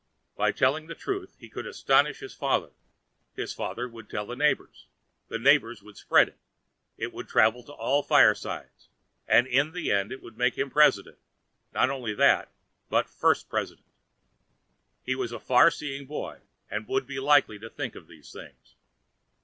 By telling the truth he could astonish his father; his father would tell the neighbours; the neighbours would spread it; it would travel to all firesides; in the end it would make him President, and not only that, but First President. He was a far seeing boy and would be likely to think of these things.